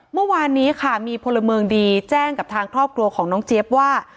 เมื่อวานนี้ค่ะมีพลเมืองดีแจ้งกับทางครอบครัวของน้องเจี๊ยบว่า